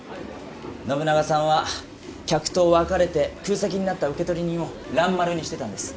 信長さんは客と別れて空席になった受取人を蘭丸にしてたんです。